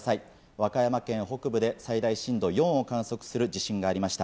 和歌山県北部で最大震度４を観測する地震がありました。